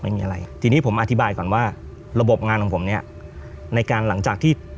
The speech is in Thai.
ไม่มีอะไรทีนี้ผมอธิบายก่อนว่าระบบงานของผมเนี้ยในการหลังจากที่